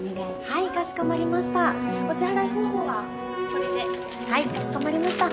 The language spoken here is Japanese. はいかしこまりました。